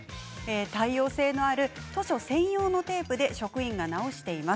耐用性のある図書専用のテープで職員が直しています。